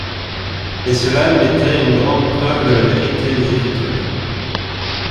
Et celà m'était une grande preuve de la vérité des Écritures.